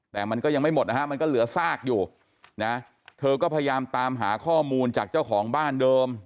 แต่มันก็ยังไม่หมดนะฮะมันก็เหลือซากอยู่นะเธอก็พยายามตามหาข้อมูลจากเจ้าของบ้านเดิม